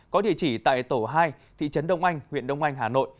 có địa chỉ tại tổ hai thị trấn đông anh huyện đông anh hà nội